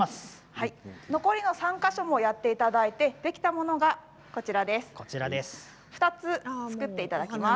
残りの３か所もやっていただいてできたものがこちらにあります。